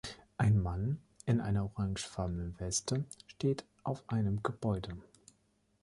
Ein Mann in einer orangefarbenen Weste steht auf einem Gebäude.